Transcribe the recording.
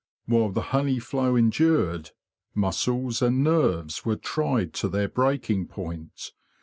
While the honey flow endured, muscles and nerves were tried to their breaking point.